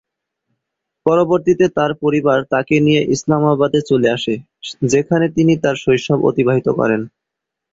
পরবর্তীতে তার পরিবার তাকে নিয়ে ইসলামাবাদে চলে আসে, যেখানে তিনি তার শৈশব অতিবাহিত করেন।